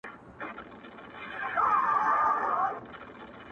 سیاه پوسي ده، خُم چپه پروت دی.